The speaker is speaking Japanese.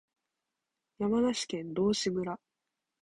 山梨県道志村